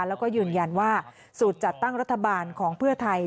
แล้วก็ยืนยันว่าสูตรจัดตั้งรัฐบาลของเพื่อไทย